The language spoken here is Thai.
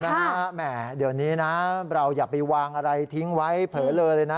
แหม่เดี๋ยวนี้นะเราอย่าไปวางอะไรทิ้งไว้เผลอเลอเลยนะ